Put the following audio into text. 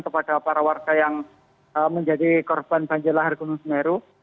kepada para warga yang menjadi korban banjir lahar gunung semeru